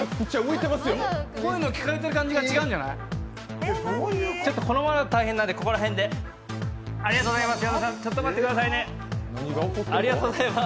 声の感じが違うんじゃないこのままだと大変なんでこの辺で。ありがとうございます！